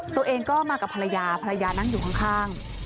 ตัวเองก็มากับภรรยาภรรยานั่งอยู่ข้าง